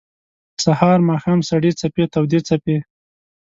سهار ، ماښام سړې څپې تودي څپې